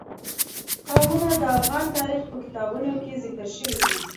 قومونه د افغان تاریخ په کتابونو کې ذکر شوی دي.